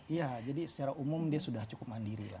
iya jadi secara umum dia sudah cukup mandiri ya